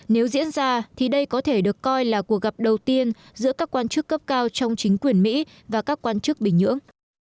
nếu diễn ra thì đây có thể được coi là cuộc gặp đầu tiên giữa các quan chức cấp cao trong chính quyền mỹ và các quan chức bình nhưỡng